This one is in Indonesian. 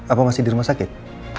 apa masih di rumah sakit